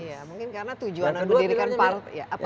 ya mungkin karena tujuan pemerintah